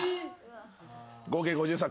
合計５３。